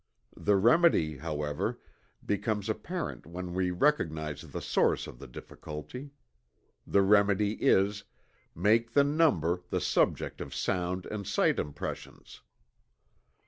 The remedy, however, becomes apparent when we recognize the source of the difficulty. The remedy is: _Make the number the subject of sound and sight impressions.